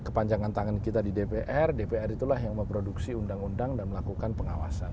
kepanjangan tangan kita di dpr dpr itulah yang memproduksi undang undang dan melakukan pengawasan